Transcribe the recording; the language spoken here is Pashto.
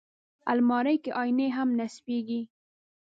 الماري کې آیینې هم نصبېږي